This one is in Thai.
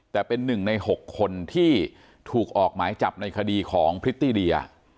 แต่เป็นหนึ่งใน๖คนที่ถูกออกหมายจับในคดีของพริตตี้เดีย